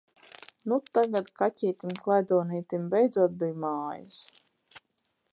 Nu tagad kaķītim klaidonītim beidzot bij mājas!